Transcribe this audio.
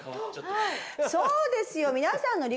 そうですよ。